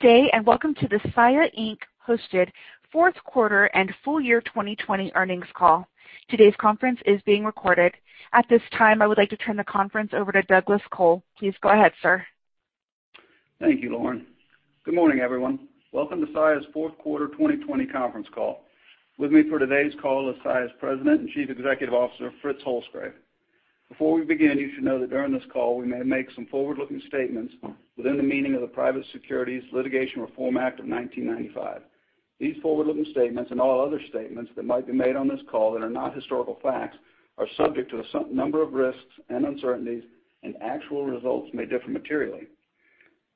Good day, and welcome to the Saia, Inc. hosted fourth quarter and full year 2020 earnings call. Today's conference is being recorded. At this time, I would like to turn the conference over to Douglas Col. Please go ahead, sir. Thank you, Lauren. Good morning, everyone. Welcome to Saia's fourth quarter 2020 conference call. With me for today's call is Saia's President and Chief Executive Officer, Fritz Holzgrefe. Before we begin, you should know that during this call we may make some forward-looking statements within the meaning of the Private Securities Litigation Reform Act of 1995. These forward-looking statements, and all other statements that might be made on this call that are not historical facts, are subject to a number of risks and uncertainties, and actual results may differ materially.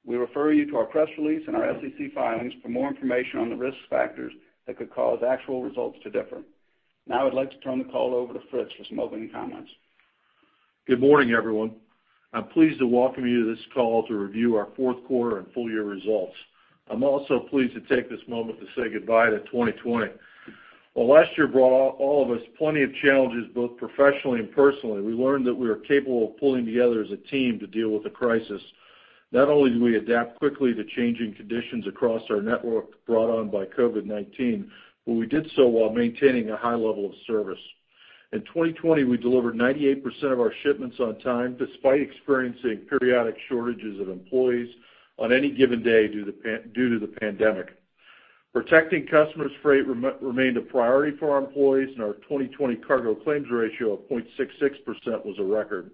We refer you to our press release and our SEC filings for more information on the risk factors that could cause actual results to differ. Now, I'd like to turn the call over to Fritz for some opening comments. Good morning, everyone. I'm pleased to welcome you to this call to review our fourth quarter and full year results. I'm also pleased to take this moment to say goodbye to 2020. While last year brought all of us plenty of challenges, both professionally and personally, we learned that we are capable of pulling together as a team to deal with the crisis. Not only did we adapt quickly to changing conditions across our network brought on by COVID-19, but we did so while maintaining a high level of service. In 2020, we delivered 98% of our shipments on time, despite experiencing periodic shortages of employees on any given day due to the pandemic. Protecting customers' freight remained a priority for our employees, and our 2020 cargo claims ratio of 0.66% was a record.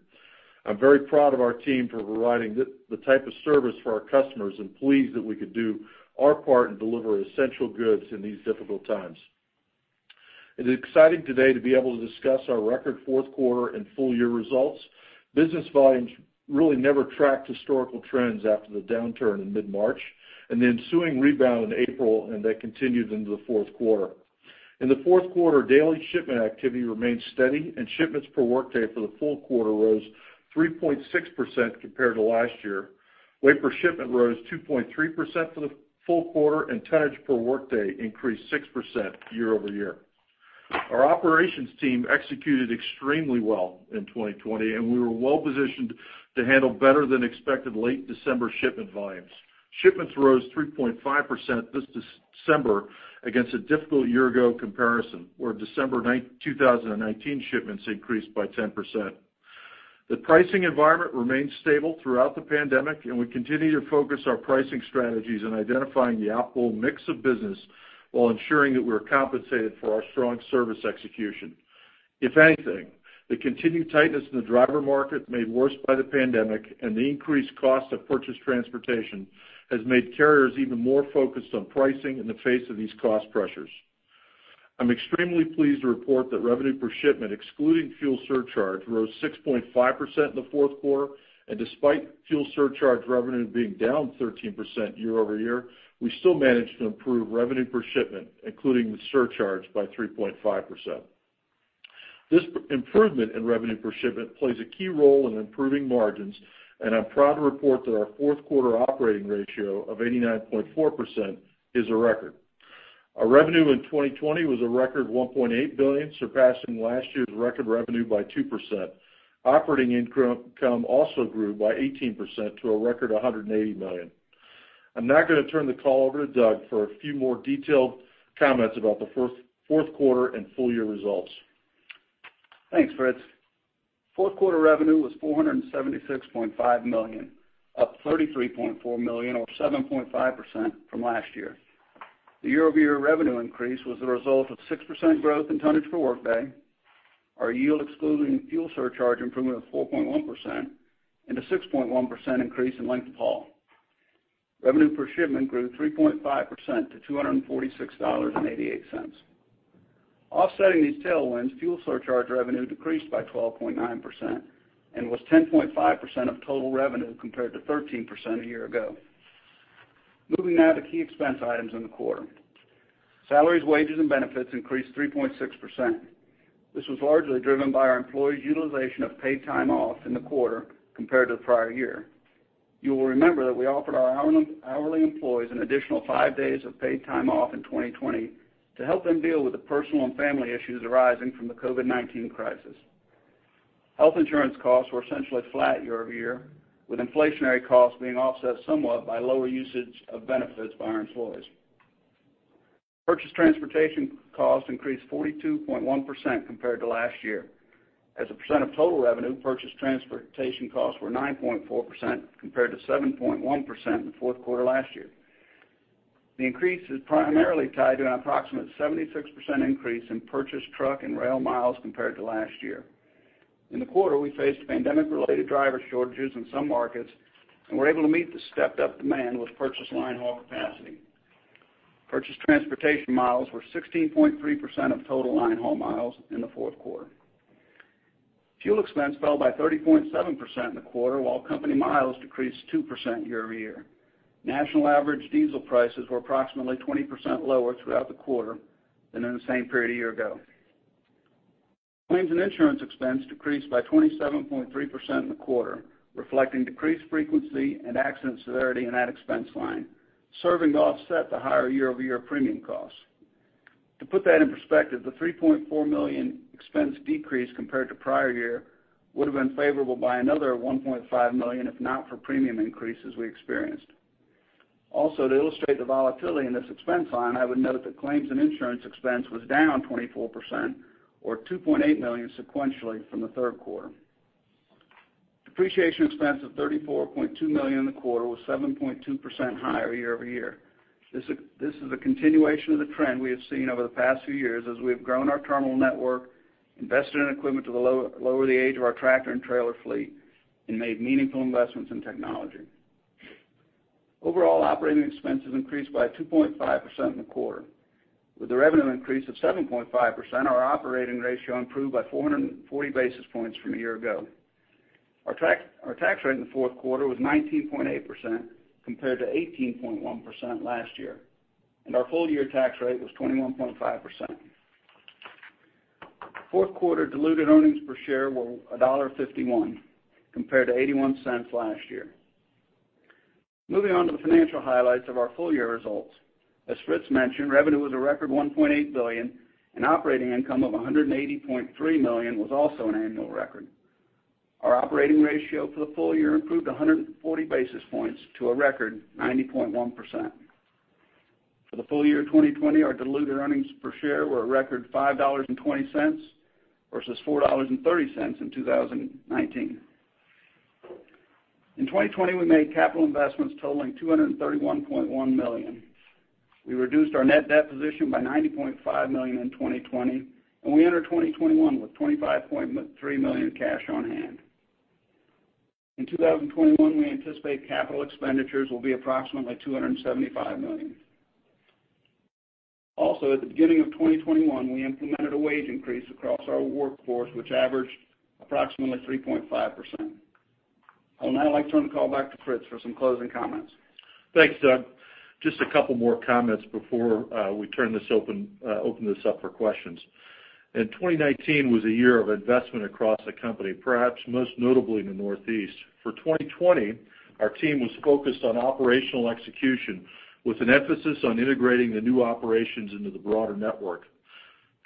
I'm very proud of our team for providing the type of service for our customers and pleased that we could do our part and deliver essential goods in these difficult times. It is exciting today to be able to discuss our record fourth quarter and full year results. Business volumes really never tracked historical trends after the downturn in mid-March, and the ensuing rebound in April, and that continued into the fourth quarter. In the fourth quarter, daily shipment activity remained steady, and shipments per workday for the full quarter rose 3.6% compared to last year. Weight per shipment rose 2.3% for the full quarter, and tonnage per workday increased 6% year-over-year. Our operations team executed extremely well in 2020, and we were well-positioned to handle better than expected late December shipment volumes. Shipments rose 3.5% this December against a difficult year ago comparison, where December 2019 shipments increased by 10%. The pricing environment remained stable throughout the pandemic, and we continue to focus our pricing strategies on identifying the optimal mix of business while ensuring that we're compensated for our strong service execution. If anything, the continued tightness in the driver market, made worse by the pandemic, and the increased cost of purchased transportation has made carriers even more focused on pricing in the face of these cost pressures. I'm extremely pleased to report that revenue per shipment, excluding fuel surcharge, rose 6.5% in the fourth quarter. Despite fuel surcharge revenue being down 13% year-over-year, we still managed to improve revenue per shipment, including the surcharge, by 3.5%. This improvement in revenue per shipment plays a key role in improving margins, and I'm proud to report that our fourth quarter operating ratio of 89.4% is a record. Our revenue in 2020 was a record $1.8 billion, surpassing last year's record revenue by 2%. Operating income also grew by 18% to a record of $180 million. I'm now going to turn the call over to Doug for a few more detailed comments about the fourth quarter and full year results. Thanks, Fritz. Fourth quarter revenue was $476.5 million, up $33.4 million or 7.5% from last year. The year-over-year revenue increase was the result of 6% growth in tonnage per workday. Our yield, excluding fuel surcharge, improved by 4.1%, and a 6.1% increase in length of haul. Revenue per shipment grew 3.5% to $246.88. Offsetting these tailwinds, fuel surcharge revenue decreased by 12.9% and was 10.5% of total revenue compared to 13% a year ago. Moving now to key expense items in the quarter. Salaries, wages, and benefits increased 3.6%. This was largely driven by our employees' utilization of paid time off in the quarter compared to the prior year. You will remember that we offered our hourly employees an additional five days of paid time off in 2020 to help them deal with the personal and family issues arising from the COVID-19 crisis. Health insurance costs were essentially flat year-over-year, with inflationary costs being offset somewhat by lower usage of benefits by our employees. Purchased transportation costs increased 42.1% compared to last year. As a percent of total revenue, purchased transportation costs were 9.4% compared to 7.1% in the fourth quarter last year. The increase is primarily tied to an approximate 76% increase in purchased truck and rail miles compared to last year. In the quarter, we faced pandemic-related driver shortages in some markets and were able to meet the stepped-up demand with purchased line haul capacity. Purchased transportation miles were 16.3% of total line haul miles in the fourth quarter. Fuel expense fell by 30.7% in the quarter while company miles decreased 2% year-over-year. National average diesel prices were approximately 20% lower throughout the quarter than in the same period a year ago. Claims and insurance expense decreased by 27.3% in the quarter, reflecting decreased frequency and accident severity in that expense line, serving to offset the higher year-over-year premium costs. To put that in perspective, the $3.4 million expense decrease compared to prior year would've been favorable by another $1.5 million, if not for premium increases we experienced. To illustrate the volatility in this expense line, I would note that claims and insurance expense was down 24%, or $2.8 million sequentially from the third quarter. Depreciation expense of $34.2 million in the quarter was 7.2% higher year-over-year. This is a continuation of the trend we have seen over the past few years as we have grown our terminal network, invested in equipment to lower the age of our tractor and trailer fleet, and made meaningful investments in technology. Overall operating expenses increased by 2.5% in the quarter. With the revenue increase of 7.5%, our operating ratio improved by 440 basis points from a year ago. Our tax rate in the fourth quarter was 19.8% compared to 18.1% last year, and our full-year tax rate was 21.5%. Fourth quarter diluted earnings per share were $1.51 compared to $0.81 last year. Moving on to the financial highlights of our full-year results. As Fritz mentioned, revenue was a record $1.8 billion, and operating income of $180.3 million was also an annual record. Our operating ratio for the full year improved 140 basis points to a record 90.1%. For the full year 2020, our diluted earnings per share were a record $5.20 versus $4.30 in 2019. In 2020, we made capital investments totaling $231.1 million. We reduced our net debt position by $90.5 million in 2020, and we entered 2021 with $25.3 million cash on hand. In 2021, we anticipate capital expenditures will be approximately $275 million. Also, at the beginning of 2021, we implemented a wage increase across our workforce, which averaged approximately 3.5%. I would now like to turn the call back to Fritz for some closing comments. Thanks, Doug. Just a couple more comments before we open this up for questions. 2019 was a year of investment across the company, perhaps most notably in the Northeast. For 2020, our team was focused on operational execution with an emphasis on integrating the new operations into the broader network.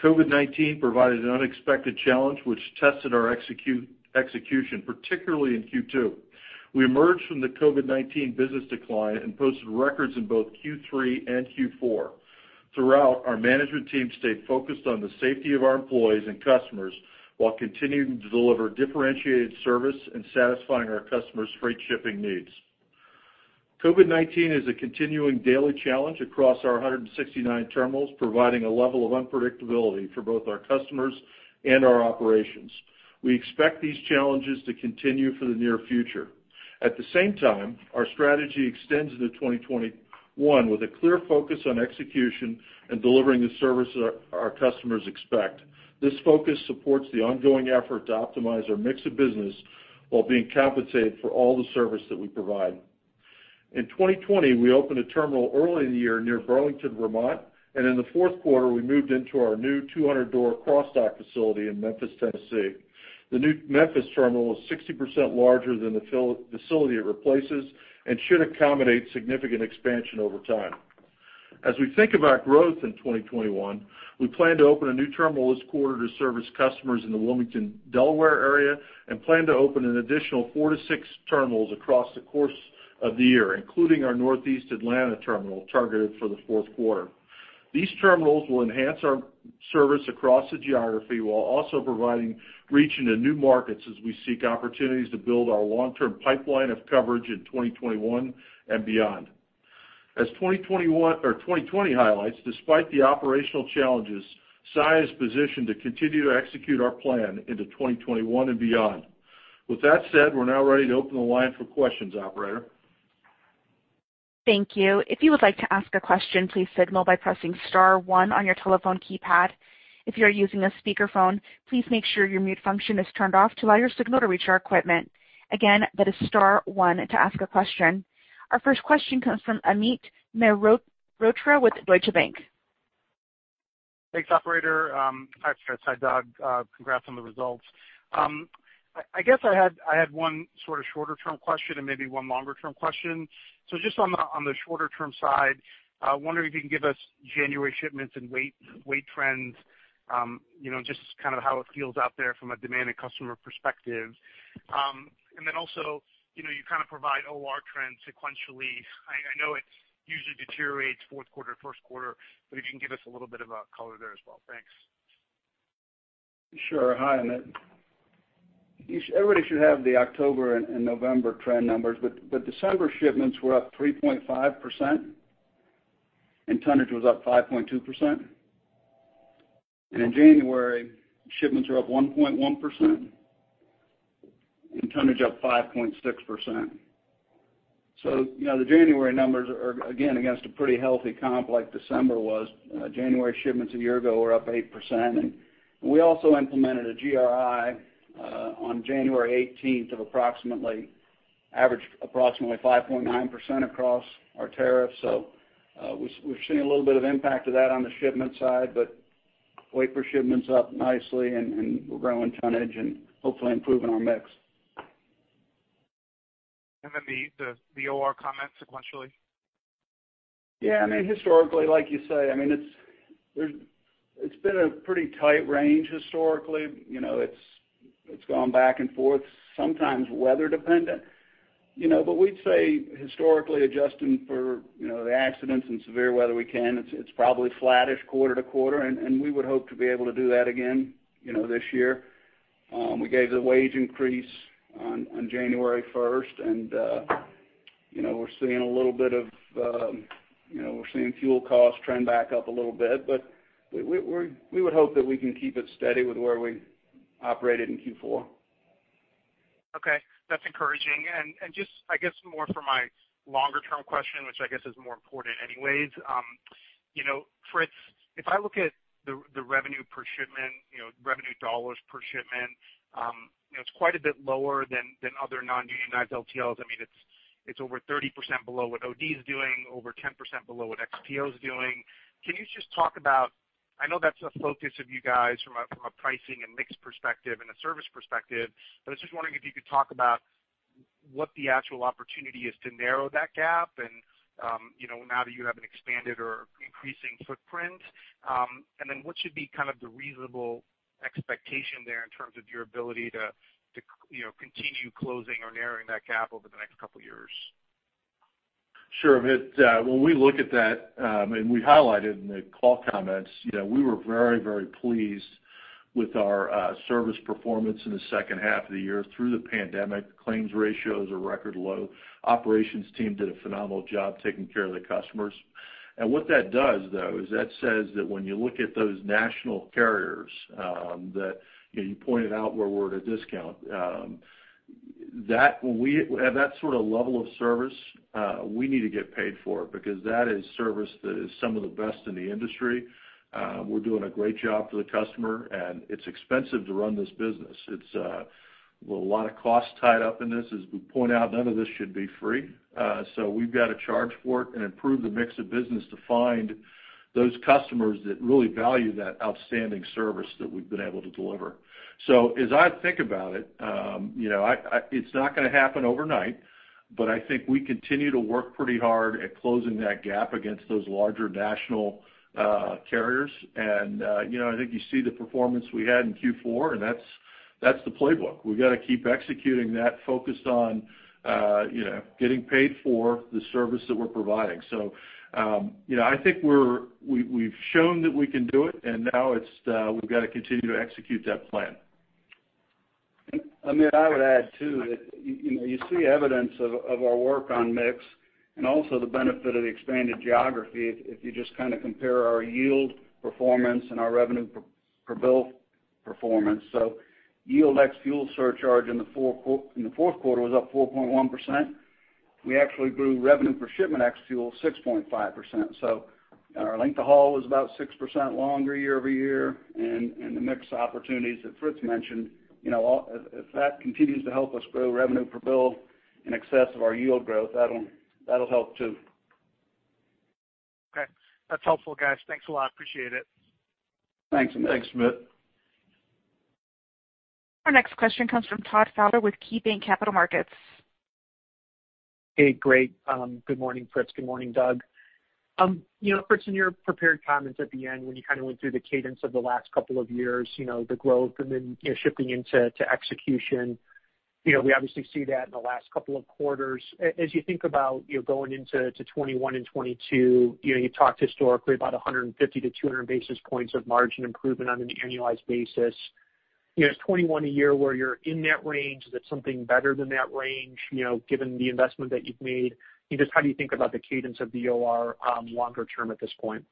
COVID-19 provided an unexpected challenge, which tested our execution, particularly in Q2. We emerged from the COVID-19 business decline and posted records in both Q3 and Q4. Throughout, our management team stayed focused on the safety of our employees and customers while continuing to deliver differentiated service and satisfying our customers' freight shipping needs. COVID-19 is a continuing daily challenge across our 169 terminals, providing a level of unpredictability for both our customers and our operations. We expect these challenges to continue for the near future. At the same time, our strategy extends into 2021 with a clear focus on execution and delivering the service our customers expect. This focus supports the ongoing effort to optimize our mix of business while being compensated for all the service that we provide. In 2020, we opened a terminal early in the year near Burlington, Vermont, and in the fourth quarter, we moved into our new 200-door cross-dock facility in Memphis, Tennessee. The new Memphis terminal is 60% larger than the facility it replaces and should accommodate significant expansion over time. As we think about growth in 2021, we plan to open a new terminal this quarter to service customers in the Wilmington, Delaware area and plan to open an additional four to six terminals across the course of the year, including our Northeast Atlanta terminal targeted for the fourth quarter. These terminals will enhance our service across the geography while also providing reach into new markets as we seek opportunities to build our long-term pipeline of coverage in 2021 and beyond. As 2020 highlights, despite the operational challenges, Saia is positioned to continue to execute our plan into 2021 and beyond. With that said, we're now ready to open the line for questions, operator. Thank you. If you would like to ask a question, please signal by pressing star one on your telephone keypad. If you are using a speakerphone, please make sure your mute function is turned off to allow your signal to reach our equipment. Again, that is star one to ask a question. Our first question comes from Amit Mehrotra with Deutsche Bank. Thanks, operator. Hi, Fritz, hi, Doug. Congrats on the results. I guess I had one shorter-term question and maybe one longer-term question. Just on the shorter-term side, wondering if you can give us January shipments and weight trends, just how it feels out there from a demand and customer perspective. Also, you provide OR trends sequentially. I know it usually deteriorates fourth quarter to first quarter, if you can give us a little bit of color there as well. Thanks. Sure. Hi, Amit. Everybody should have the October and November trend numbers, December shipments were up 3.5% and tonnage was up 5.2%. In January, shipments were up 1.1% and tonnage up 5.6%. The January numbers are, again, against a pretty healthy comp like December was. January shipments a year ago were up 8%, and we also implemented a GRI on January 18th, averaged approximately 5.9% across our tariffs. We're seeing a little bit of impact of that on the shipment side, but weight per shipment's up nicely, and we're growing tonnage and hopefully improving our mix. The OR comment sequentially. Yeah. Historically, like you say, it's been a pretty tight range historically. It's gone back and forth, sometimes weather dependent. We'd say historically adjusting for the accidents and severe weather we can, it's probably flattish quarter to quarter, and we would hope to be able to do that again this year. We gave the wage increase on January 1st, we're seeing fuel costs trend back up a little bit. We would hope that we can keep it steady with where we operated in Q4. Okay. That's encouraging. Just, I guess more for my longer term question, which I guess is more important anyways. Fritz, if I look at the revenue per shipment, revenue dollars per shipment, it's quite a bit lower than other non-unionized LTLs. It's over 30% below what OD's doing, over 10% below what XPO's doing. Can you just talk about, I know that's a focus of you guys from a pricing and mix perspective and a service perspective, but I was just wondering if you could talk about what the actual opportunity is to narrow that gap and now that you have an expanded or increasing footprint. Then what should be the reasonable expectation there in terms of your ability to continue closing or narrowing that gap over the next couple of years? Sure, Amit. When we look at that, and we highlighted in the call comments, we were very pleased with our service performance in the second half of the year through the pandemic. Claims ratios are record low. Operations team did a phenomenal job taking care of the customers. What that does, though, is that says that when you look at those national carriers that you pointed out where we're at a discount, that sort of level of service, we need to get paid for it, because that is service that is some of the best in the industry. We're doing a great job for the customer, and it's expensive to run this business. It's a lot of cost tied up in this. As we point out, none of this should be free. We've got to charge for it and improve the mix of business to find those customers that really value that outstanding service that we've been able to deliver. As I think about it's not going to happen overnight, but I think we continue to work pretty hard at closing that gap against those larger national carriers. I think you see the performance we had in Q4, and that's the playbook. We've got to keep executing that, focused on getting paid for the service that we're providing. I think we've shown that we can do it, and now we've got to continue to execute that plan. Amit, I would add, too, that you see evidence of our work on mix and also the benefit of the expanded geography if you just compare our yield performance and our revenue per bill performance. Yield ex fuel surcharge in the fourth quarter was up 4.1%. We actually grew revenue per shipment ex fuel 6.5%. Our length of haul was about 6% longer year-over-year, and the mix opportunities that Fritz mentioned, if that continues to help us grow revenue per bill in excess of our yield growth, that'll help, too. Okay. That's helpful, guys. Thanks a lot. Appreciate it. Thanks. Thanks, Amit. Our next question comes from Todd Fowler with KeyBanc Capital Markets. Hey, great. Good morning, Fritz. Good morning, Doug. Fritz, in your prepared comments at the end when you went through the cadence of the last couple of years, the growth and then shifting into execution. We obviously see that in the last couple of quarters. As you think about going into 2021 and 2022, you talked historically about 150-200 basis points of margin improvement on an annualized basis. Is 2021 a year where you're in that range? Is it something better than that range, given the investment that you've made? Just how do you think about the cadence of the OR longer term at this point?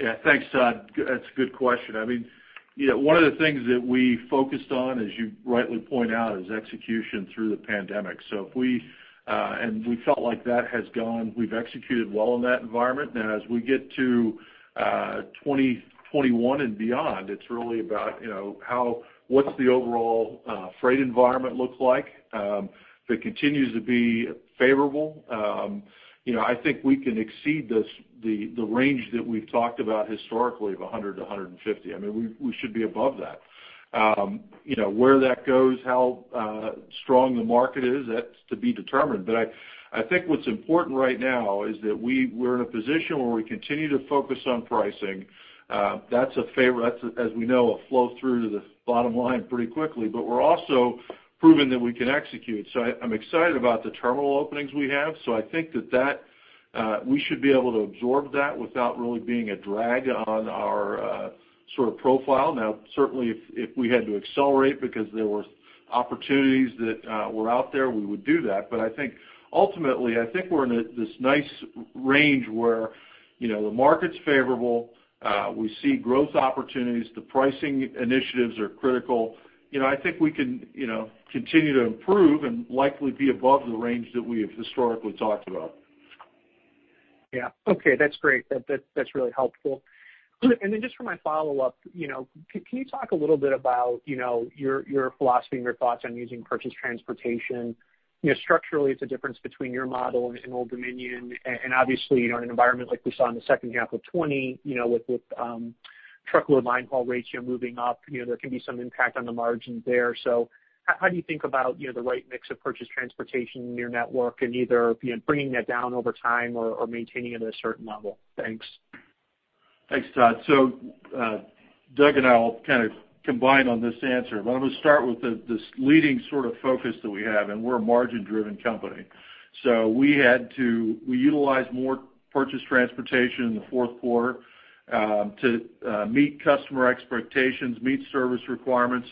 Yeah. Thanks, Todd. That's a good question. One of the things that we focused on, as you rightly point out, is execution through the pandemic. We felt like we've executed well in that environment. As we get to 2021 and beyond, it's really about what's the overall freight environment look like that continues to be favorable. I think we can exceed the range that we've talked about historically of 100 to 150. We should be above that. Where that goes, how strong the market is, that's to be determined. I think what's important right now is that we're in a position where we continue to focus on pricing. That's, as we know, a flow through to the bottom line pretty quickly. We're also proving that we can execute. I'm excited about the terminal openings we have. I think that we should be able to absorb that without really being a drag on our profile. Certainly, if we had to accelerate because there were opportunities that were out there, we would do that. Ultimately, I think we're in this nice range where the market's favorable, we see growth opportunities, the pricing initiatives are critical. I think we can continue to improve and likely be above the range that we have historically talked about. Yeah. Okay, that's great. That's really helpful. Then just for my follow-up, can you talk a little bit about your philosophy and your thoughts on using purchase transportation? Structurally, it's a difference between your model and Old Dominion. Obviously, in an environment like we saw in the second half of 2020 with truckload line haul ratio moving up, there can be some impact on the margins there. How do you think about the right mix of purchase transportation in your network and either bringing that down over time or maintaining it at a certain level? Thanks. Thanks, Todd. Doug and I will kind of combine on this answer, but I'm going to start with this leading sort of focus that we have, and we're a margin-driven company. We utilized more purchased transportation in the fourth quarter to meet customer expectations, meet service requirements.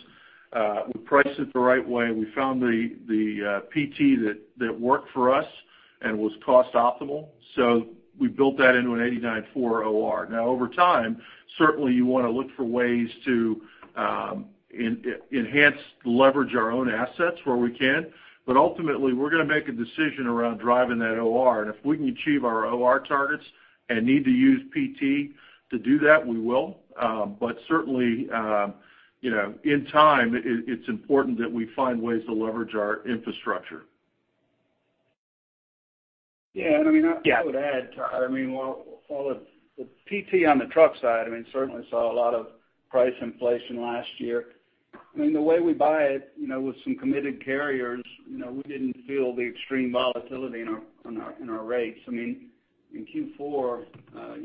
We priced it the right way. We found the PT that worked for us and was cost optimal. We built that into an 89.4 OR. Now, over time, certainly you want to look for ways to enhance, leverage our own assets where we can, but ultimately, we're going to make a decision around driving that OR. If we can achieve our OR targets and need to use PT to do that, we will. Certainly, in time, it's important that we find ways to leverage our infrastructure. Yeah. I would add to that, while the PT on the truck side certainly saw a lot of price inflation last year, the way we buy it with some committed carriers, we didn't feel the extreme volatility in our rates. In Q4,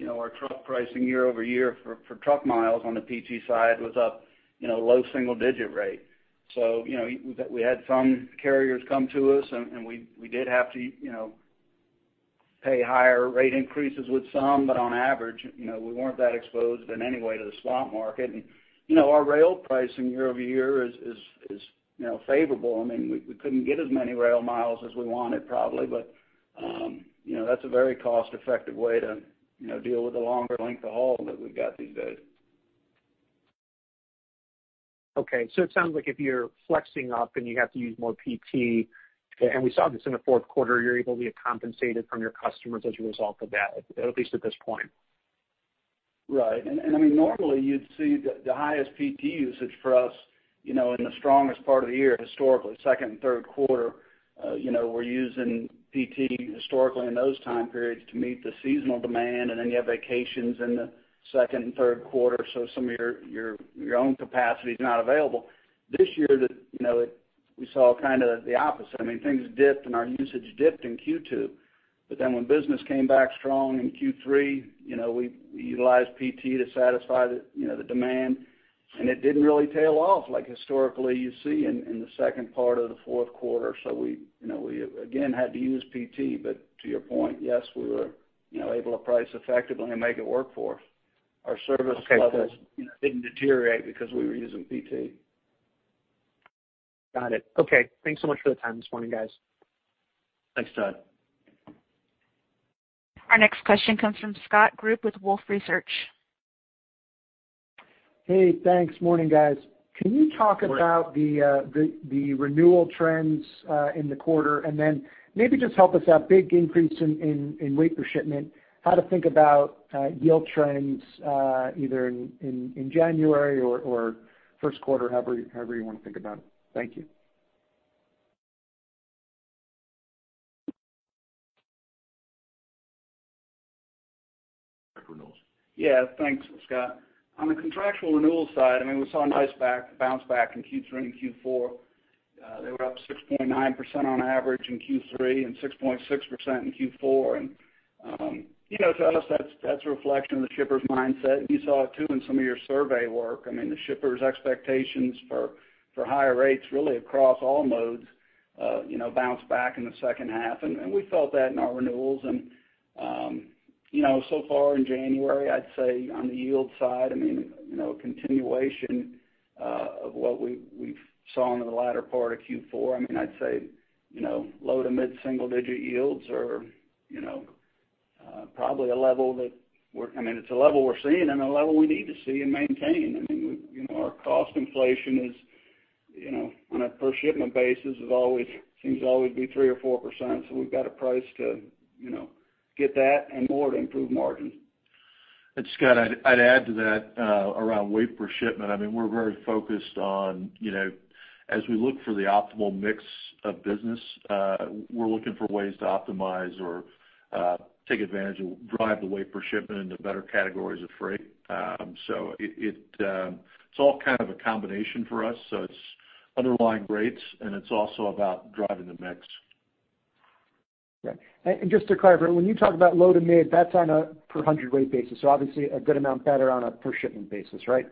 our truck pricing year-over-year for truck miles on the PT side was up low single-digit rate. We had some carriers come to us, and we did have to pay higher rate increases with some, but on average, we weren't that exposed in any way to the spot market. Our rail pricing year-over-year is favorable. We couldn't get as many rail miles as we wanted probably, but that's a very cost-effective way to deal with the longer length of haul that we've got these days. Okay, it sounds like if you're flexing up and you have to use more PT, and we saw this in the fourth quarter, you're able to get compensated from your customers as a result of that, at least at this point. Right. Normally you'd see the highest PT usage for us in the strongest part of the year historically, second and third quarter. We're using PT historically in those time periods to meet the seasonal demand, and then you have vacations in the second and third quarter, so some of your own capacity is not available. This year, we saw kind of the opposite. Things dipped and our usage dipped in Q2, but then when business came back strong in Q3, we utilized PT to satisfy the demand, and it didn't really tail off like historically you see in the second part of the fourth quarter. We again had to use PT, but to your point, yes, we were able to price effectively and make it work for us. Our service levels didn't deteriorate because we were using PT. Got it. Okay. Thanks so much for the time this morning, guys. Thanks, Todd. Our next question comes from Scott Group with Wolfe Research. Hey, thanks. Morning, guys. Can you talk about the renewal trends in the quarter? Maybe just help us out, big increase in weight per shipment, how to think about yield trends either in January or first quarter, however you want to think about it. Thank you. For renewals. Thanks, Scott. On the contractual renewal side, we saw a nice bounce back in Q3 and Q4. They were up 6.9% on average in Q3 and 6.6% in Q4. To us, that's a reflection of the shipper's mindset. You saw it, too, in some of your survey work. The shippers' expectations for higher rates really across all modes bounced back in the second half, and we felt that in our renewals. So far in January, I'd say on the yield side, a continuation of what we saw in the latter part of Q4. I'd say low to mid single digit yields are probably a level that we're seeing and a level we need to see and maintain. Our cost inflation is, on a per shipment basis, seems to always be 3% or 4%, so we've got to price to get that and more to improve margin. Scott, I'd add to that around weight per shipment. We're very focused on as we look for the optimal mix of business, we're looking for ways to optimize or take advantage of, drive the weight per shipment into better categories of freight. It's all kind of a combination for us. It's underlying rates, and it's also about driving the mix. Yeah. Just to clarify, when you talk about low to mid, that's on a per-hundredweight basis, so obviously a good amount better on a per shipment basis, right?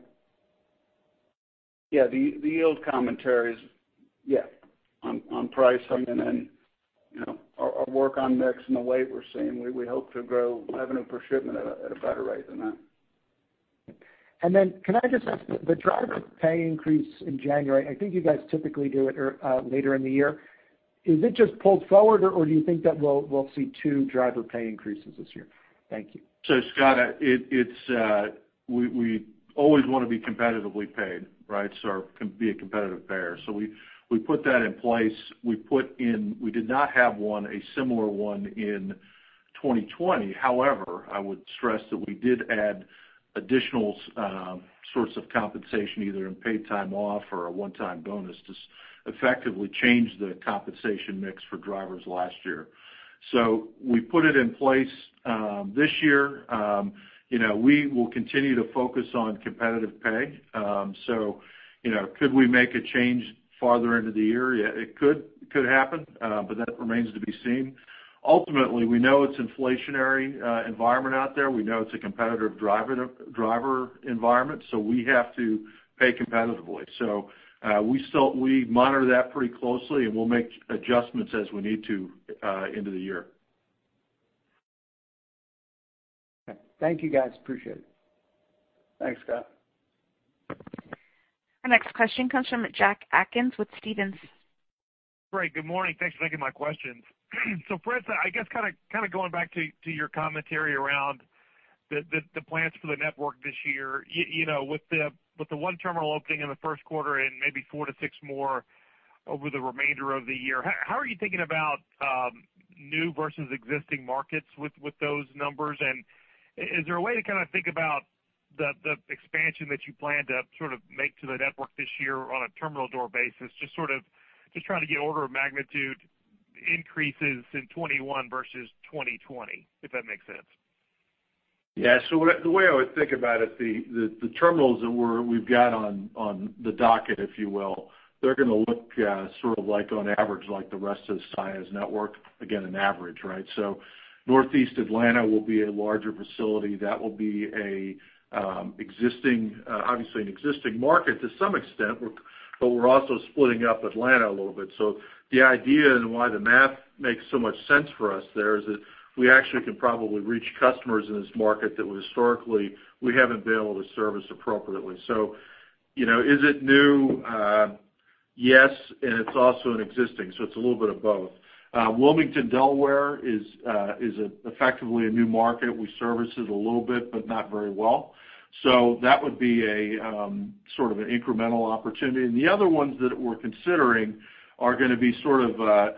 Yeah, the yield commentary is on price. Our work on mix and the weight we're seeing, we hope to grow revenue per shipment at a better rate than that. Can I just ask, the driver pay increase in January, I think you guys typically do it later in the year. Is it just pulled forward, or do you think that we'll see two driver pay increases this year? Thank you. Scott, we always want to be competitively paid, right? Be a competitive bearer. We put that in place. We did not have a similar one in 2020. However, I would stress that we did add additional sorts of compensation, either in paid time off or a one-time bonus to effectively change the compensation mix for drivers last year. We put it in place this year. We will continue to focus on competitive pay. Could we make a change farther into the year? Yeah, it could happen, but that remains to be seen. Ultimately, we know it's an inflationary environment out there. We know it's a competitive driver environment, we have to pay competitively. We monitor that pretty closely, and we'll make adjustments as we need to into the year. Okay. Thank you guys. Appreciate it. Thanks, Scott. Our next question comes from Jack Atkins with Stephens. Great. Good morning. Thanks for taking my questions. Fritz, I guess kind of going back to your commentary around the plans for the network this year. With the one terminal opening in the first quarter and maybe four to six more over the remainder of the year, how are you thinking about new versus existing markets with those numbers? Is there a way to think about the expansion that you plan to make to the network this year on a terminal door basis? Just trying to get order of magnitude increases in 2021 versus 2020, if that makes sense. Yeah. The way I would think about it, the terminals that we've got on the docket, if you will, they're going to look sort of on average like the rest of Saia's network. Again, an average. Northeast Atlanta will be a larger facility. That will be obviously an existing market to some extent, but we're also splitting up Atlanta a little bit. The idea and why the math makes so much sense for us there is that we actually can probably reach customers in this market that historically we haven't been able to service appropriately. Is it new? Yes, and it's also an existing, it's a little bit of both. Wilmington, Delaware is effectively a new market. We service it a little bit, but not very well. That would be a sort of an incremental opportunity. The other ones that we're considering are going to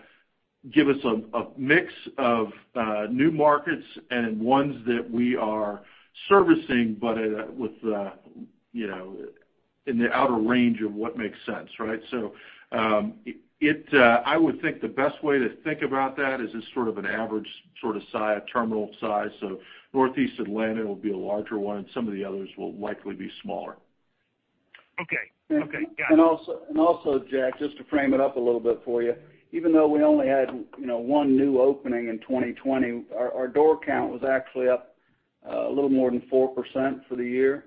give us a mix of new markets and ones that we are servicing, but in the outer range of what makes sense. I would think the best way to think about that is as sort of an average terminal size. Northeast Atlanta will be a larger one, and some of the others will likely be smaller. Okay. Got it. Also, Jack, just to frame it up a little bit for you, even though we only had one new opening in 2020, our door count was actually up a little more than 4% for the year.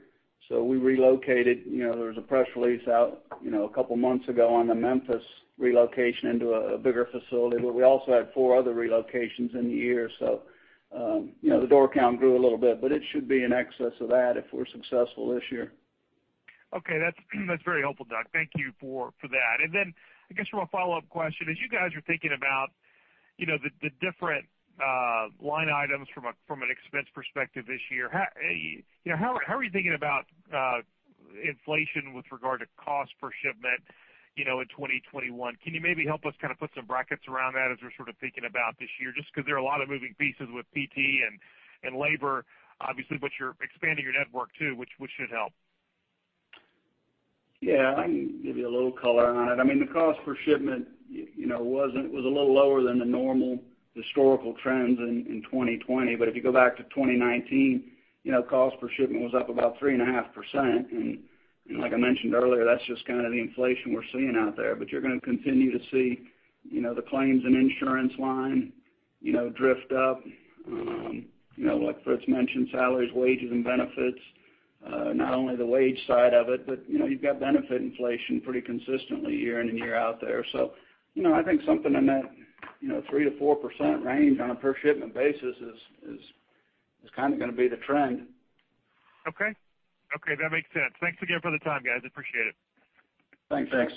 We relocated. There was a press release out a couple of months ago on the Memphis relocation into a bigger facility, but we also had four other relocations in the year. The door count grew a little bit, but it should be in excess of that if we're successful this year. Okay. That's very helpful, Doug. Thank you for that. Then I guess for my follow-up question, as you guys are thinking about the different line items from an expense perspective this year, how are you thinking about inflation with regard to cost per shipment in 2021? Can you maybe help us kind of put some brackets around that as we're sort of thinking about this year, just because there are a lot of moving pieces with PT and labor, obviously, but you're expanding your network too, which should help. Yeah. I can give you a little color on it. The cost per shipment was a little lower than the normal historical trends in 2020. If you go back to 2019, cost per shipment was up about 3.5%. Like I mentioned earlier, that's just kind of the inflation we're seeing out there. You're going to continue to see the claims and insurance line drift up. Like Fritz mentioned, salaries, wages, and benefits. Not only the wage side of it, but you've got benefit inflation pretty consistently year in and year out there. I think something in that 3%-4% range on a per shipment basis is kind of going to be the trend. Okay. That makes sense. Thanks again for the time, guys. Appreciate it. Thanks. Thanks.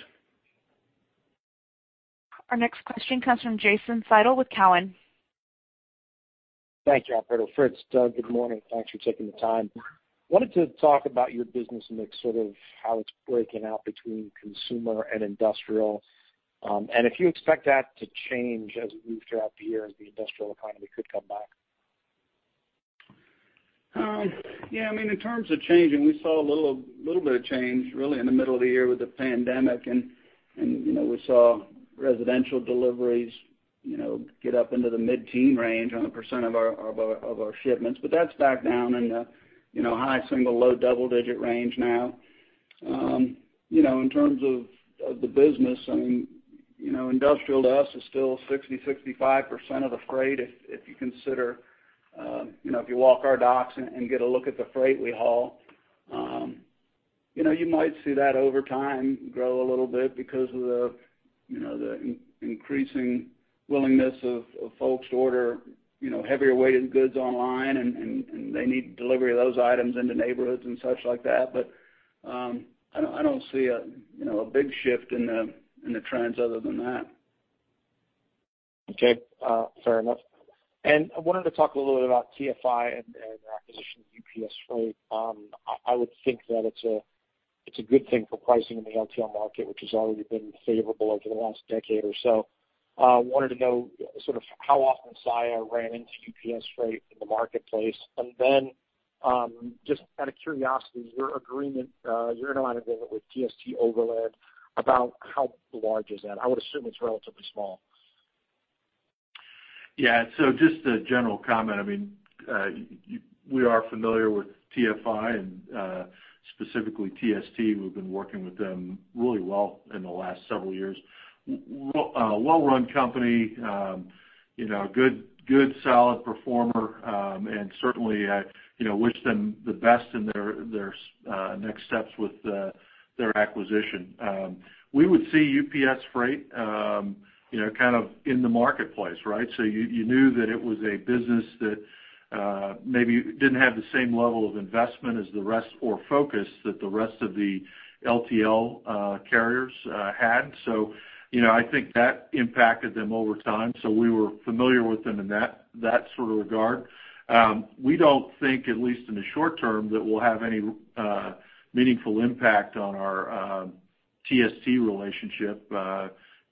Our next question comes from Jason Seidl with Cowen. Thank you, operator. Fritz, Doug, good morning. Thanks for taking the time. Wanted to talk about your business mix, sort of how it's breaking out between consumer and industrial, if you expect that to change as we move throughout the year as the industrial economy could come back. Yeah. In terms of changing, we saw a little bit of change really in the middle of the year with the pandemic, and we saw residential deliveries get up into the mid-teen range on a percent of our shipments. That's back down in the high single, low double-digit range now. In terms of the business, industrial to us is still 60%, 65% of the freight if you walk our docks and get a look at the freight we haul. You might see that over time grow a little bit because of the increasing willingness of folks to order heavier weighted goods online, and they need delivery of those items into neighborhoods and such like that. I don't see a big shift in the trends other than that. Okay. Fair enough. I wanted to talk a little bit about TFI and the acquisition of UPS Freight. I would think that it's a good thing for pricing in the LTL market, which has already been favorable over the last decade or so. Wanted to know sort of how often Saia ran into UPS Freight in the marketplace. Just out of curiosity, your agreement, your interline agreement with TST Overland, about how large is that? I would assume it's relatively small. Yeah. Just a general comment. We are familiar with TFI and specifically TST. We've been working with them really well in the last several years. A well-run company. Good, solid performer. Certainly, I wish them the best in their next steps with their acquisition. We would see UPS Freight, kind of in the marketplace, right? You knew that it was a business that maybe didn't have the same level of investment as the rest, or focus that the rest of the LTL carriers had. I think that impacted them over time. We were familiar with them in that sort of regard. We don't think, at least in the short term, that we'll have any meaningful impact on our TST relationship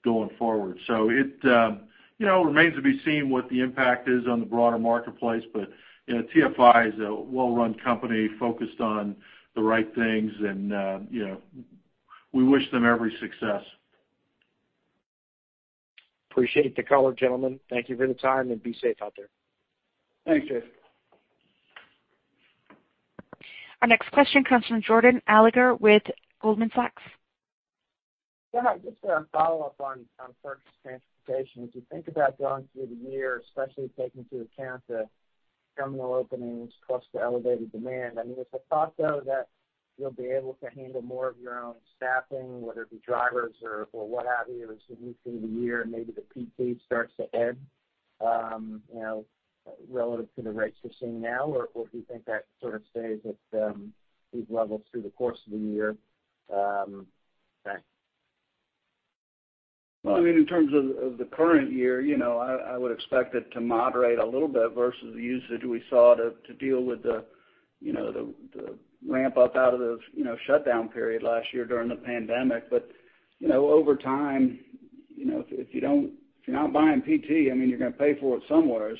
going forward. It remains to be seen what the impact is on the broader marketplace. TFI is a well-run company focused on the right things and we wish them every success. Appreciate the color, gentlemen. Thank you for the time, and be safe out there. Thanks, Jason. Our next question comes from Jordan Alliger with Goldman Sachs. Yeah. Just a follow-up on purchased transportation. As you think about going through the year, especially taking into account the terminal openings plus the elevated demand, is the thought, though, that you'll be able to handle more of your own staffing, whether it be drivers or what have you, as we move through the year and maybe the PT starts to ebb, relative to the rates you're seeing now, or do you think that sort of stays at these levels through the course of the year? Thanks. In terms of the current year, I would expect it to moderate a little bit versus the usage we saw to deal with the ramp-up out of the shutdown period last year during the pandemic. Over time, if you're not buying PT, you're going to pay for it somewhere.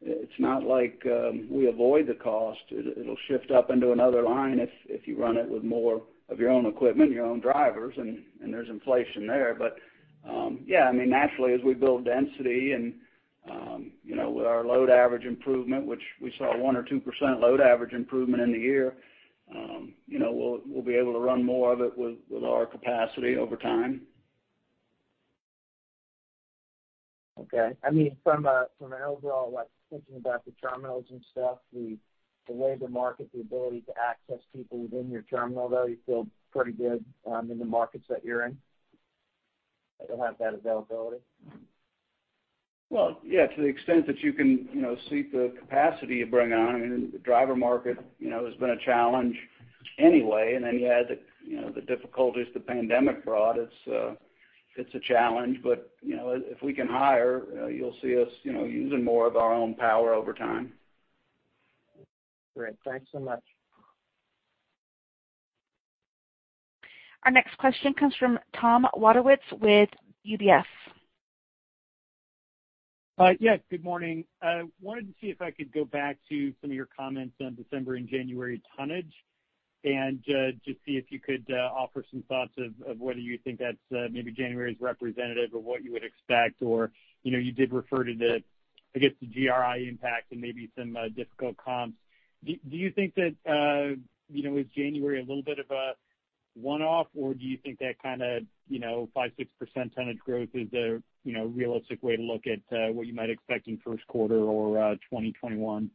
It's not like we avoid the cost. It'll shift up into another line if you run it with more of your own equipment, your own drivers, and there's inflation there. Yeah. Naturally, as we build density and with our load average improvement, which we saw a 1% or 2% load average improvement in the year, we'll be able to run more of it with our capacity over time. Okay. From an overall, thinking about the terminals and stuff, the labor market, the ability to access people within your terminal, though, you feel pretty good in the markets that you're in, that you'll have that availability? Yeah, to the extent that you can seek the capacity to bring on. The driver market has been a challenge anyway, then you add the difficulties the pandemic brought. It's a challenge. If we can hire, you'll see us using more of our own power over time. Great. Thanks so much. Our next question comes from Tom Wadewitz with UBS. Yes, good morning. I wanted to see if I could go back to some of your comments on December and January tonnage and just see if you could offer some thoughts of whether you think that's maybe January is representative of what you would expect, or you did refer to the, I guess, the GRI impact and maybe some difficult comps. Do you think that, was January a little bit of a one-off, or do you think that 5%, 6% tonnage growth is a realistic way to look at what you might expect in first quarter or 2021?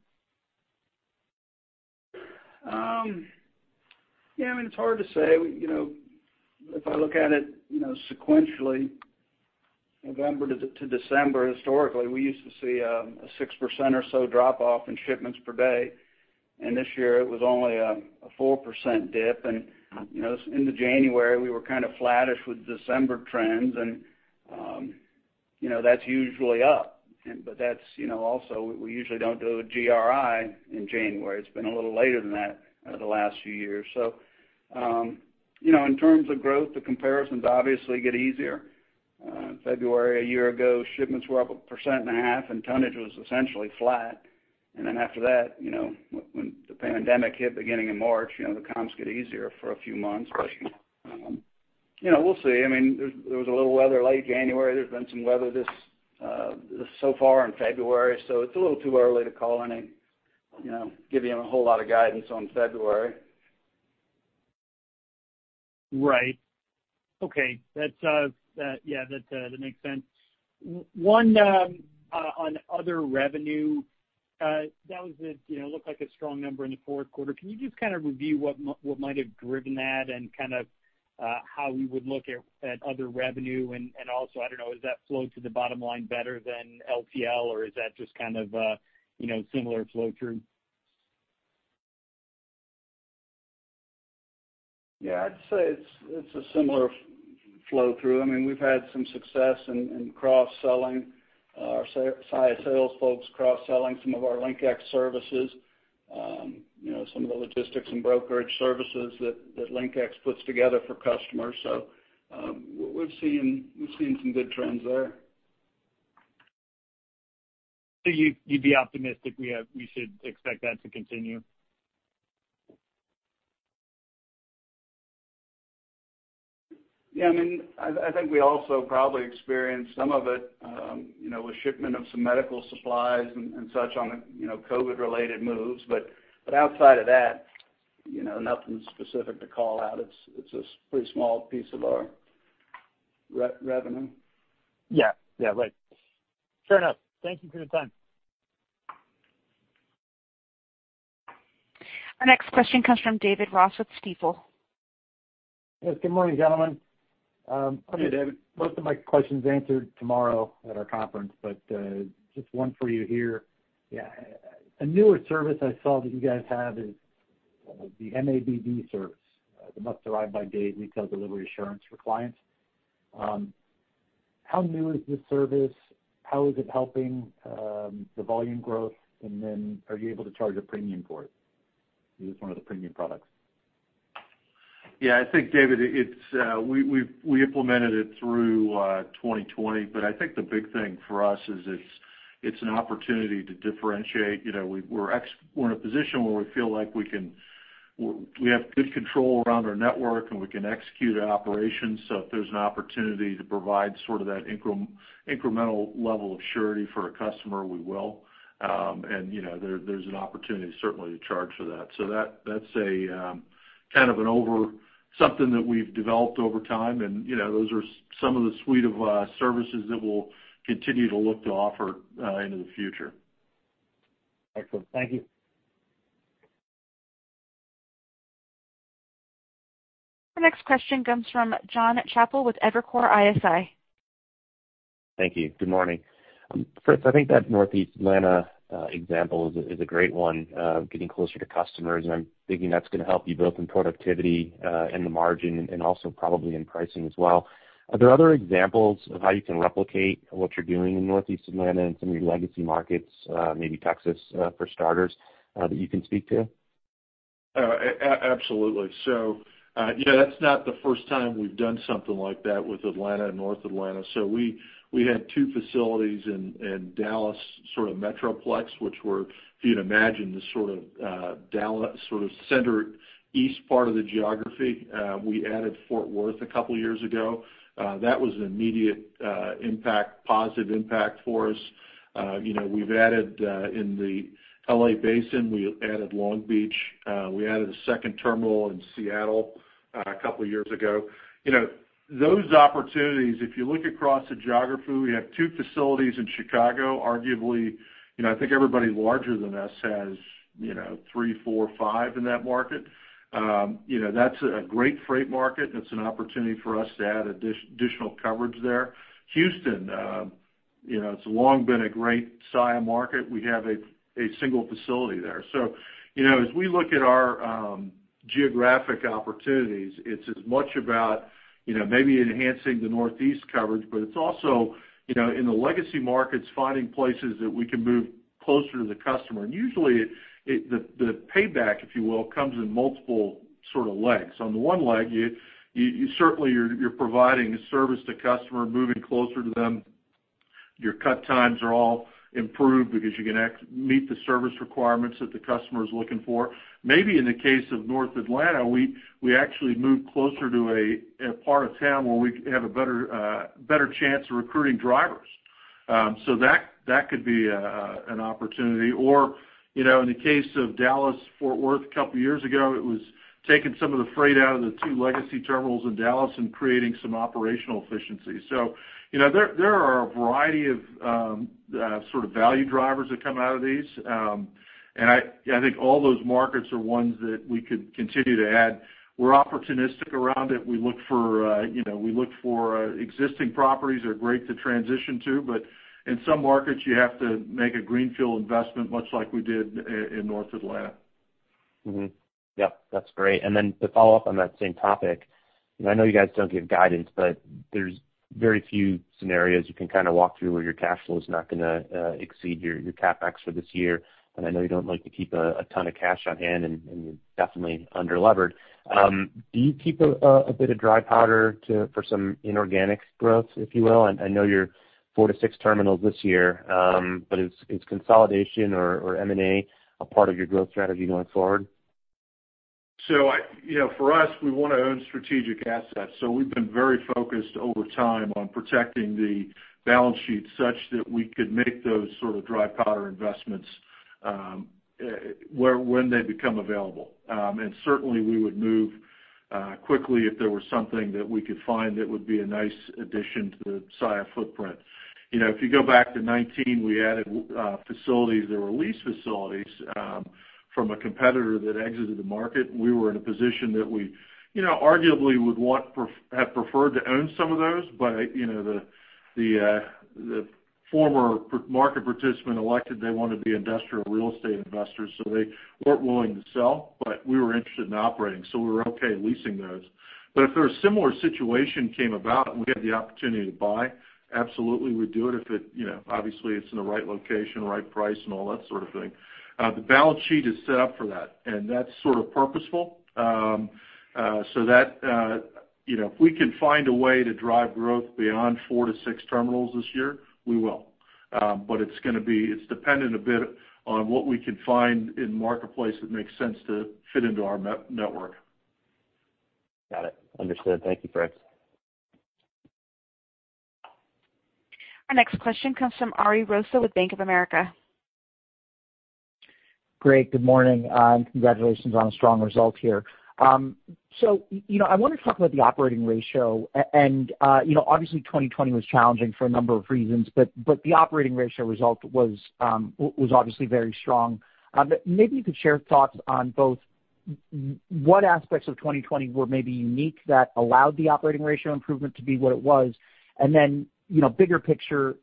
Yeah, it's hard to say. If I look at it sequentially, November to December, historically, we used to see a 6% or so drop off in shipments per day, and this year it was only a 4% dip. Into January, we were kind of flattish with December trends and that's usually up. That's also, we usually don't do a GRI in January. It's been a little later than that the last few years. In terms of growth, the comparisons obviously get easier. February a year ago, shipments were up 1.5%, and tonnage was essentially flat. After that, when the pandemic hit beginning of March, the comps get easier for a few months. We'll see. There was a little weather late January. There's been some weather so far in February, so it's a little too early to call any, give you a whole lot of guidance on February. Right. Okay. That makes sense. One on other revenue. That looked like a strong number in the fourth quarter. Can you just review what might have driven that and how we would look at other revenue and also, I don't know, does that flow to the bottom line better than LTL, or is that just a similar flow through? Yeah. I'd say it's a similar flow through. We've had some success in cross-selling. Our Saia sales folks cross-selling some of our LinkEx services. Some of the logistics and brokerage services that LinkEx puts together for customers. We've seen some good trends there. You'd be optimistic we should expect that to continue? Yeah, I think we also probably experienced some of it with shipment of some medical supplies and such on the COVID-19 related moves. Outside of that, nothing specific to call out. It's a pretty small piece of our revenue. Yeah. Right. Fair enough. Thank you for your time. Our next question comes from David Ross with Stifel. Yes. Good morning, gentlemen. Hey, David. Most of my questions answered tomorrow at our conference, just one for you here. A newer service I saw that you guys have is the MABD service, the must arrive by date retail delivery assurance for clients. How new is this service? How is it helping the volume growth? Are you able to charge a premium for it? Is this one of the premium products? I think, David, we implemented it through 2020. I think the big thing for us is it's an opportunity to differentiate. We're in a position where we feel like we have good control around our network, and we can execute at operations. If there's an opportunity to provide that incremental level of surety for a customer, we will. There's an opportunity certainly to charge for that. That's something that we've developed over time, and those are some of the suite of services that we'll continue to look to offer into the future. Excellent. Thank you. Our next question comes from Jonathan Chappell with Evercore ISI. Thank you. Good morning. First, I think that Northeast Atlanta example is a great one of getting closer to customers, and I'm thinking that's going to help you both in productivity, and the margin, and also probably in pricing as well. Are there other examples of how you can replicate what you're doing in Northeast Atlanta in some of your legacy markets, maybe Texas for starters, that you can speak to? Absolutely. That's not the first time we've done something like that with Atlanta and North Atlanta. We had two facilities in Dallas sort of Metroplex, which were, if you can imagine, the sort of Dallas centered east part of the geography. We added Fort Worth a couple of years ago. That was an immediate positive impact for us. In the L.A. basin, we added Long Beach. We added a second terminal in Seattle a couple of years ago. Those opportunities, if you look across the geography, we have two facilities in Chicago. Arguably, I think everybody larger than us has three, four, five in that market. That's a great freight market, and it's an opportunity for us to add additional coverage there. Houston, it's long been a great Saia market. We have a single facility there. As we look at our geographic opportunities, it's as much about maybe enhancing the Northeast coverage, but it's also in the legacy markets, finding places that we can move closer to the customer. Usually, the payback, if you will, comes in multiple legs. On the one leg, certainly you're providing a service to customer, moving closer to them. Your cut times are all improved because you can meet the service requirements that the customer is looking for. Maybe in the case of North Atlanta, we actually moved closer to a part of town where we have a better chance of recruiting drivers. In the case of Dallas, Fort Worth, a couple of years ago, it was taking some of the freight out of the two legacy terminals in Dallas and creating some operational efficiency. There are a variety of value drivers that come out of these. I think all those markets are ones that we could continue to add. We're opportunistic around it. We look for existing properties that are great to transition to, but in some markets, you have to make a greenfield investment, much like we did in North Atlanta. Mm-hmm. Yep. That's great. To follow up on that same topic, I know you guys don't give guidance, but there's very few scenarios you can walk through where your cash flow is not going to exceed your CapEx for this year. I know you don't like to keep a ton of cash on hand, and you're definitely underlevered. Do you keep a bit of dry powder for some inorganic growth, if you will? I know you're four to six terminals this year. Is consolidation or M&A a part of your growth strategy going forward? For us, we want to own strategic assets. We've been very focused over time on protecting the balance sheet such that we could make those dry powder investments when they become available. Certainly, we would move quickly if there was something that we could find that would be a nice addition to the Saia footprint. If you go back to 2019, we added facilities that were lease facilities from a competitor that exited the market. We were in a position that we arguably would have preferred to own some of those, but the former market participant elected they want to be industrial real estate investors, so they weren't willing to sell, but we were interested in operating, so we were okay leasing those. If there a similar situation came about and we had the opportunity to buy, absolutely we'd do it if it's obviously in the right location, right price, and all that sort of thing. The balance sheet is set up for that, and that's purposeful. If we can find a way to drive growth beyond four to six terminals this year, we will. It's going to be dependent a bit on what we can find in the marketplace that makes sense to fit into our network. Got it. Understood. Thank you, Fritz. Our next question comes from Ariel Rosa with Bank of America. Great. Good morning, and congratulations on a strong result here. I wanted to talk about the operating ratio. Obviously 2020 was challenging for a number of reasons, but the operating ratio result was obviously very strong. Maybe you could share thoughts on both what aspects of 2020 were maybe unique that allowed the operating ratio improvement to be what it was, and then bigger picture,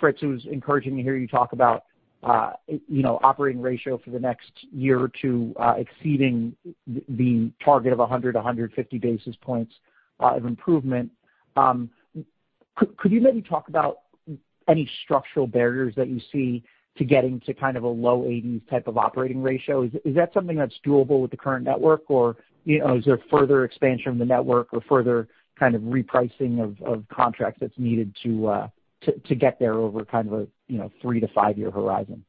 Fritz, it was encouraging to hear you talk about operating ratio for the next year or two exceeding the target of 100, 150 basis points of improvement. Could you maybe talk about any structural barriers that you see to getting to kind of a low 80s type of operating ratio? Is that something that's doable with the current network, or is there further expansion of the network or further kind of repricing of contracts that's needed to get there over kind of a three to five-year horizon?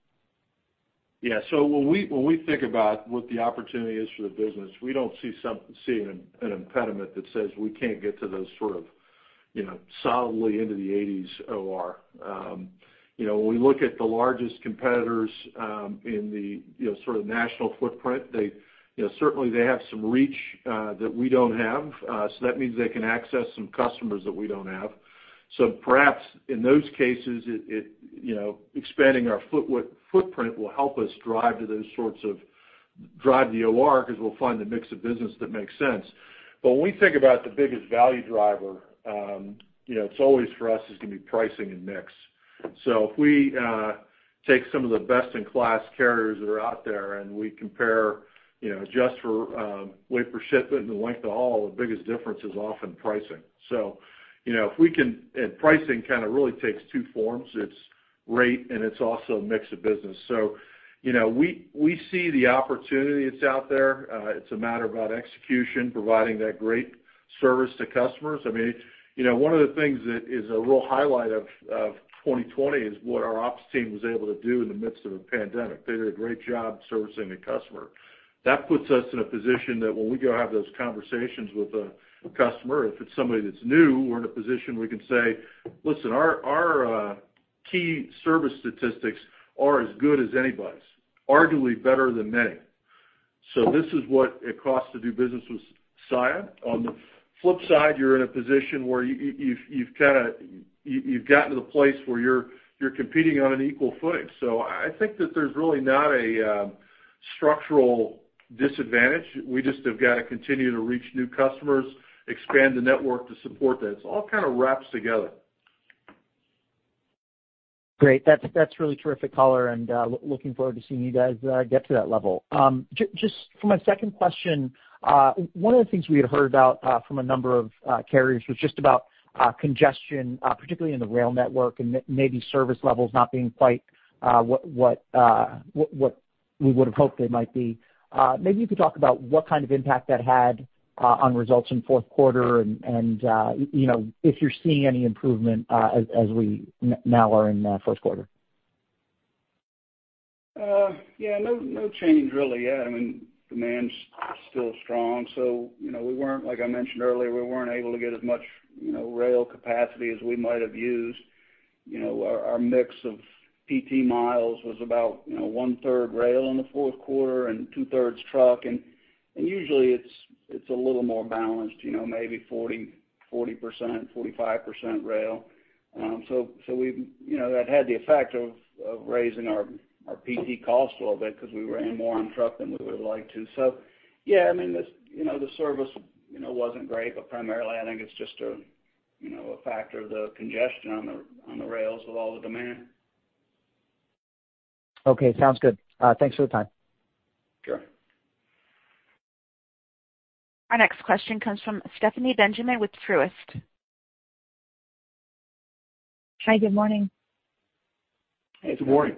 When we think about what the opportunity is for the business, we don't see an impediment that says we can't get to those sort of solidly into the 80s OR. When we look at the largest competitors in the sort of national footprint, certainly they have some reach that we don't have. That means they can access some customers that we don't have. Perhaps in those cases, expanding our footprint will help us drive the OR because we'll find the mix of business that makes sense. When we think about the biggest value driver, it's always for us is going to be pricing and mix. If we take some of the best-in-class carriers that are out there, and we compare just for weight per shipment and the length of haul, the biggest difference is often pricing. Pricing kind of really takes two forms. It's rate and it's also mix of business. We see the opportunity that's out there. It's a matter of execution, providing that great service to customers. One of the things that is a real highlight of 2020 is what our ops team was able to do in the midst of a pandemic. They did a great job servicing the customer. That puts us in a position that when we go have those conversations with a customer, if it's somebody that's new, we're in a position we can say, "Listen, our key service statistics are as good as anybody's, arguably better than many. This is what it costs to do business with Saia." On the flip side, you're in a position where you've gotten to the place where you're competing on an equal footing. I think that there's really not a structural disadvantage. We just have got to continue to reach new customers, expand the network to support that. It all kind of wraps together. Great. That's really terrific color, and looking forward to seeing you guys get to that level. Just for my second question, one of the things we had heard about from a number of carriers was just about congestion, particularly in the rail network, and maybe service levels not being quite what we would have hoped they might be. Maybe you could talk about what kind of impact that had on results in the fourth quarter and if you're seeing any improvement as we now are in the first quarter. Yeah, no change really yet. Demand's still strong. Like I mentioned earlier, we weren't able to get as much rail capacity as we might have used. Our mix of PT miles was about one-third rail in the fourth quarter and two-thirds truck, and usually it's a little more balanced, maybe 40%-45% rail. That had the effect of raising our PT cost a little bit because we ran more on truck than we would have liked to. Yeah, the service wasn't great, but primarily, I think it's just a factor of the congestion on the rails with all the demand. Okay, sounds good. Thanks for the time. Sure. Our next question comes from Stephanie Benjamin with Truist. Hi, good morning. Hey, good morning.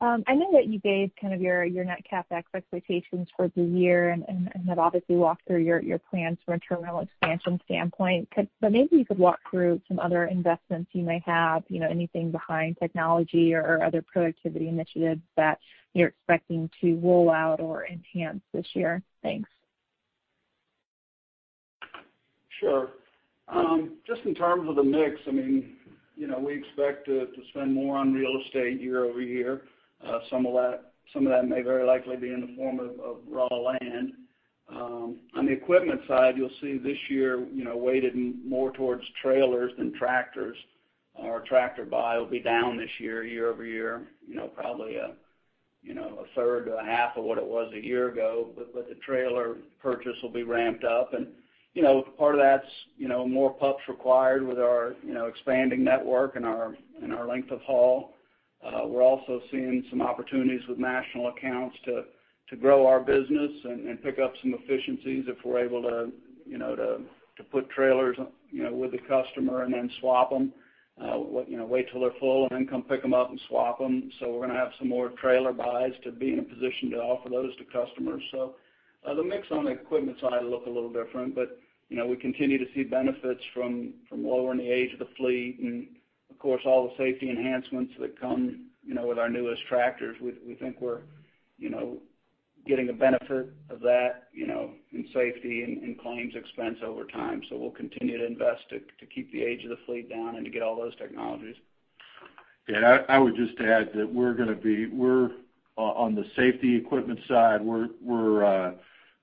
I know that you gave kind of your net CapEx expectations for the year and have obviously walked through your plans from a terminal expansion standpoint. Maybe you could walk through some other investments you may have, anything behind technology or other productivity initiatives that you're expecting to roll out or enhance this year. Thanks. Sure. Just in terms of the mix, we expect to spend more on real estate year over year. Some of that may very likely be in the form of raw land. On the equipment side, you'll see this year weighted more towards trailers than tractors. Our tractor buy will be down this year over year, probably a third to a half of what it was a year ago. The trailer purchase will be ramped up, and part of that's more pups required with our expanding network and our length of haul. We're also seeing some opportunities with national accounts to grow our business and pick up some efficiencies if we're able to put trailers with a customer and then swap them, wait till they're full, and then come pick them up and swap them. We're going to have some more trailer buys to be in a position to offer those to customers. The mix on the equipment side will look a little different, but we continue to see benefits from lowering the age of the fleet and, of course, all the safety enhancements that come with our newest tractors. We think we're Getting the benefit of that in safety and claims expense over time. We'll continue to invest to keep the age of the fleet down and to get all those technologies. I would just add that on the safety equipment side, we're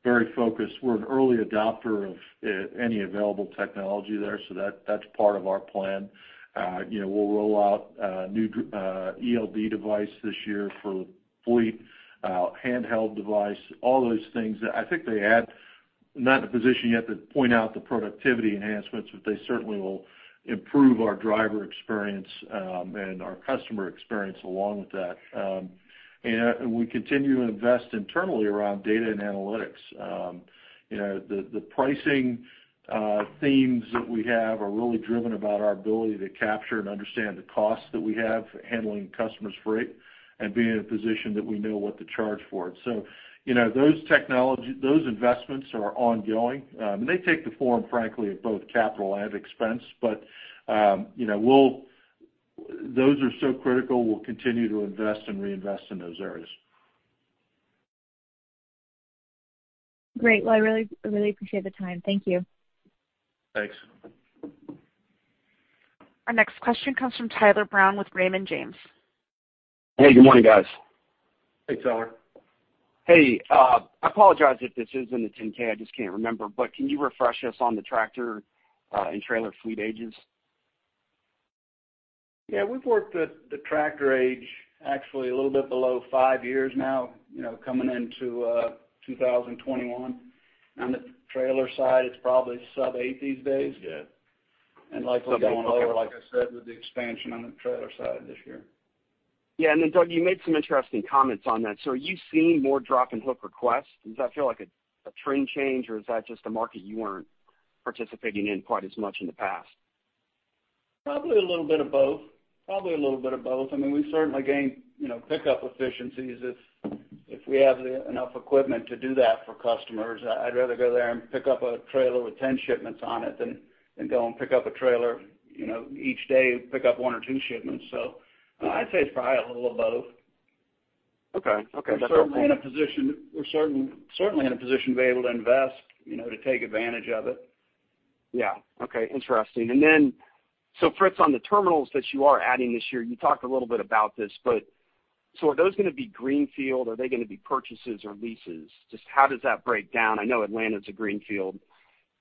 very focused. We're an early adopter of any available technology there, so that's part of our plan. We'll roll out a new ELD device this year for the fleet, a handheld device, all those things. I think they add, not in a position yet to point out the productivity enhancements, but they certainly will improve our driver experience, and our customer experience along with that. We continue to invest internally around data and analytics. The pricing themes that we have are really driven about our ability to capture and understand the costs that we have handling customers' freight, and be in a position that we know what to charge for it. Those investments are ongoing. They take the form, frankly, of both capital and expense. Those are so critical, we'll continue to invest and reinvest in those areas. Great. Well, I really appreciate the time. Thank you. Thanks. Our next question comes from Tyler Brown with Raymond James. Hey, good morning, guys. Hey, Tyler. Hey, I apologize if this is in the 10-K, I just can't remember. Can you refresh us on the tractor and trailer fleet ages? Yeah, we've worked the tractor age actually a little bit below five years now, coming into 2021. On the trailer side, it's probably sub-eight these days. Yeah. likely going lower, like I said, with the expansion on the trailer side this year. Yeah. Doug, you made some interesting comments on that. Are you seeing more drop and hook requests? Does that feel like a trend change, or is that just a market you weren't participating in quite as much in the past? Probably a little bit of both. We certainly gain pickup efficiencies if we have enough equipment to do that for customers. I'd rather go there and pick up a trailer with 10 shipments on it than go and pick up a trailer each day, pick up one or two shipments. I'd say it's probably a little of both. Okay. That's helpful. We're certainly in a position to be able to invest, to take advantage of it. Yeah. Okay, interesting. Fritz, on the terminals that you are adding this year, you talked a little bit about this, but are those going to be greenfield? Are they going to be purchases or leases? Just how does that break down? I know Atlanta's a greenfield.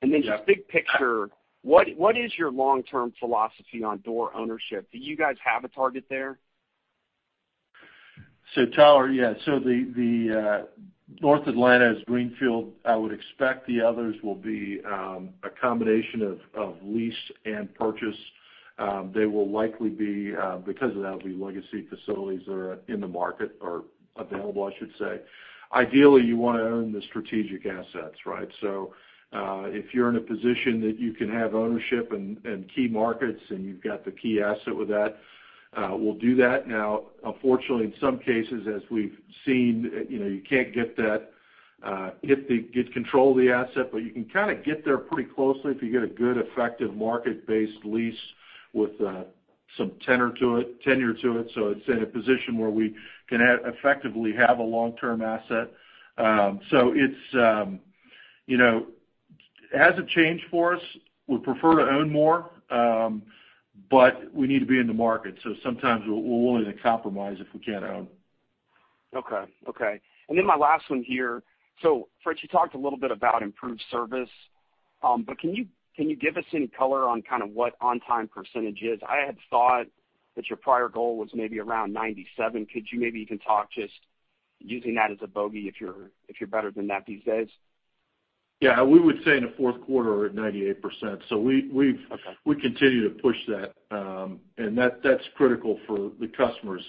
Yeah. Just big picture, what is your long-term philosophy on door ownership? Do you guys have a target there? Tyler, the North Atlanta is greenfield. I would expect the others will be a combination of lease and purchase. They will likely be, because that'll be legacy facilities that are in the market, or available I should say. Ideally, you want to own the strategic assets, right? If you're in a position that you can have ownership in key markets and you've got the key asset with that, we'll do that. Now, unfortunately, in some cases, as we've seen, you can't get control of the asset, but you can kind of get there pretty closely if you get a good effective market-based lease with some tenure to it. It's in a position where we can effectively have a long-term asset. It hasn't changed for us. We prefer to own more, we need to be in the market. Sometimes we're willing to compromise if we can't own. Okay. My last one here. Fritz, you talked a little bit about improved service. Can you give us any color on what on-time percentage is? I had thought that your prior goal was maybe around 97%. Could you maybe even talk just using that as a bogey if you're better than that these days? Yeah. We would say in the fourth quarter we're at 98%. Okay continue to push that. That's critical for the customers.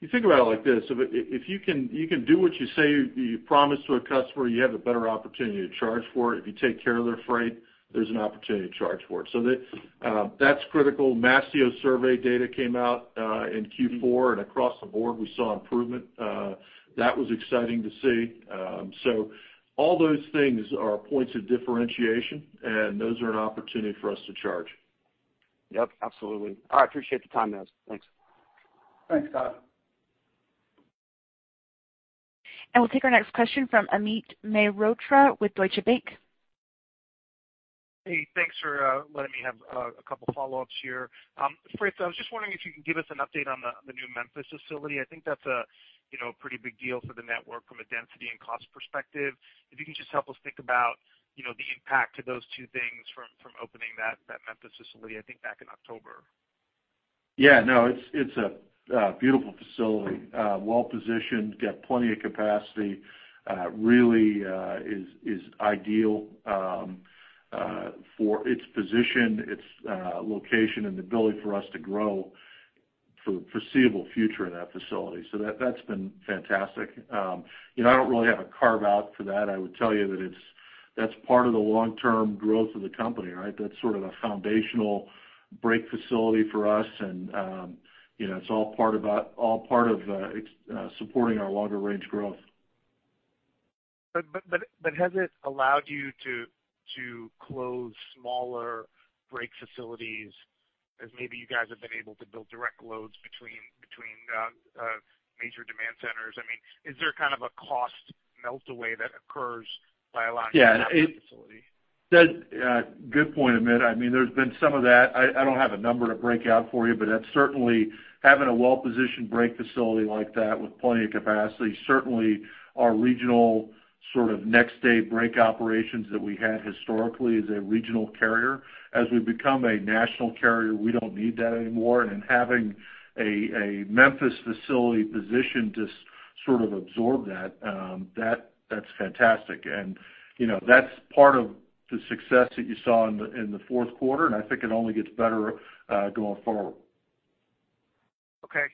You think about it like this, if you can do what you say you promise to a customer, you have a better opportunity to charge for it. If you take care of their freight, there's an opportunity to charge for it. That's critical. Mastio Survey data came out in Q4, and across the board we saw improvement. That was exciting to see. All those things are points of differentiation, and those are an opportunity for us to charge. Yep, absolutely. I appreciate the time, guys. Thanks. Thanks, Tyler. We'll take our next question from Amit Mehrotra with Deutsche Bank. Hey, thanks for letting me have a couple follow-ups here. Fritz, I was just wondering if you could give us an update on the new Memphis facility. I think that's a pretty big deal for the network from a density and cost perspective. If you could just help us think about the impact to those two things from opening that Memphis facility, I think back in October. Yeah. It's a beautiful facility. Well positioned, got plenty of capacity. Really is ideal for its position, its location, and the ability for us to grow for the foreseeable future in that facility. That's been fantastic. I don't really have a carve-out for that. I would tell you that that's part of the long-term growth of the company, right? That's sort of a foundational break facility for us and it's all part of supporting our longer range growth. Has it allowed you to close smaller break facilities as maybe you guys have been able to build direct loads between major demand centers? Is there a cost melt away that occurs? Yeah. Good point, Amit. There's been some of that. I don't have a number to break out for you, but that's certainly having a well-positioned break facility like that with plenty of capacity. Certainly, our regional sort of next day break operations that we had historically as a regional carrier. As we become a national carrier, we don't need that anymore. Having a Memphis facility position to sort of absorb that's fantastic. That's part of the success that you saw in the fourth quarter, and I think it only gets better going forward. Okay.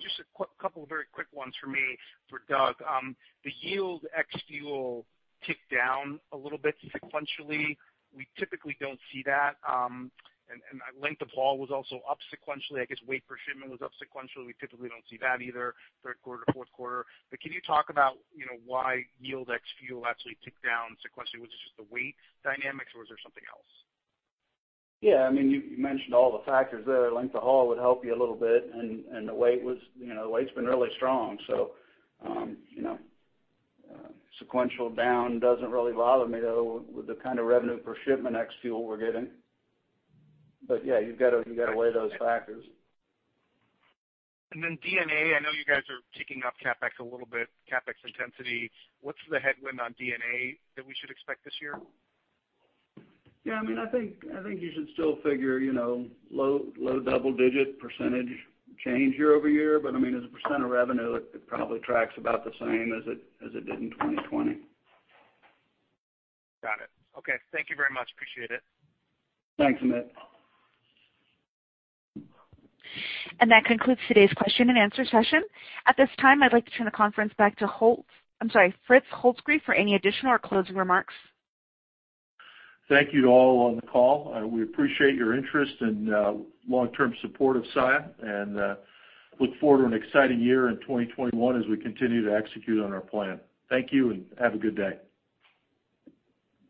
Just a couple of very quick ones for me for Doug. The yield ex-fuel ticked down a little bit sequentially. We typically don't see that. Length of haul was also up sequentially. I guess weight per shipment was up sequentially. We typically don't see that either, third quarter, fourth quarter. Can you talk about why yield ex-fuel actually ticked down sequentially? Was this just the weight dynamics or was there something else? Yeah. You mentioned all the factors there. Length of haul would help you a little bit, and the weight's been really strong. Sequential down doesn't really bother me, though, with the kind of revenue per shipment ex-fuel we're getting. Yeah, you've got to weigh those factors. D&A, I know you guys are ticking up CapEx a little bit, CapEx intensity. What's the headwind on D&A that we should expect this year? Yeah, I think you should still figure low double-digit percent change year-over-year. As a percent of revenue, it probably tracks about the same as it did in 2020. Got it. Okay. Thank you very much. Appreciate it. Thanks, Amit. That concludes today's question and answer session. At this time, I'd like to turn the conference back to Fritz Holzgrefe for any additional or closing remarks. Thank you to all on the call. We appreciate your interest and long-term support of Saia and look forward to an exciting year in 2021 as we continue to execute on our plan. Thank you and have a good day.